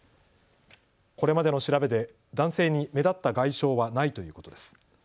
これまでの調べで男性に目立った外傷はないということです。